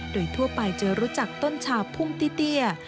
โดยทั่วไปจะรู้จักต้นชาพุ่งเตี้ย